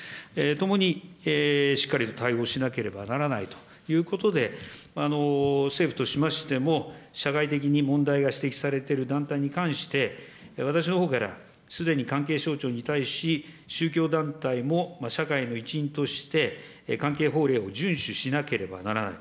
ともにしっかりと対応しなければならないということで、政府としましても、社会的に問題が指摘されている団体に対して、私のほうからすでに関係省庁に対し、宗教団体も社会の一員として関係法令を順守しなければならない。